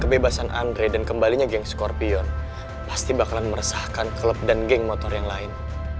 kebebasan andre dan kembalinya geng skorpion pasti bakalan meresahkan klub dan geng motor yang lain